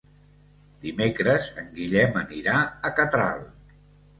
Dimecres en Guillem anirà a Catral.